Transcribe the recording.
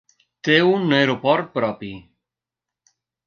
Té un aeroport propi.